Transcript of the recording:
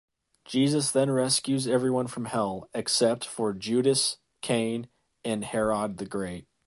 Jesus then rescues everyone from hell, except for Judas, Cain, and Herod the Great.